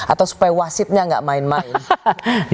atau supaya wasitnya nggak main main